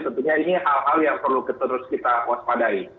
tentunya ini hal hal yang perlu kita waspadai